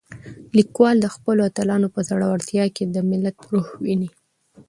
لیکوال د خپلو اتلانو په زړورتیا کې د ملت روح وینه.